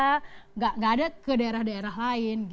tidak ada ke daerah daerah lain